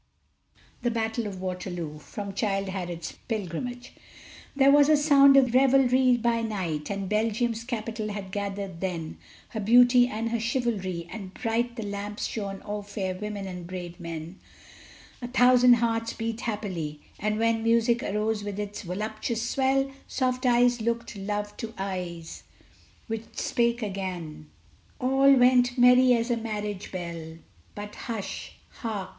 THE BATTLE OF WATERLOO From 'Childe Harold's Pilgrimage' There was a sound of revelry by night, And Belgium's capital had gathered then Her beauty and her chivalry, and bright The lamps shone o'er fair women and brave men; A thousand hearts beat happily; and when Music arose with its voluptuous swell, Soft eyes looked love to eyes which spake again, And all went merry as a marriage bell; But hush! hark!